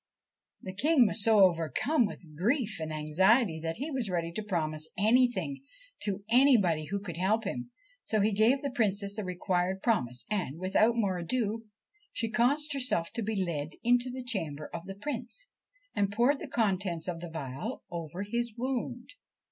The King was so overcome with grief and anxiety that he was ready to promise anything to anybody who could help him, so he gave the Princess the required promise, and, without more ado, she caused herself to be led into the chamber of the Prince, and poured the contents of the phial over his wound.